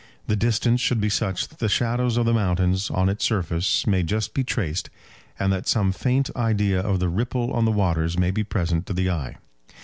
The distance should be such that the shadows of the mountains on its surface may just be traced, and that some faint idea of the ripple on the waters may be present to the eye.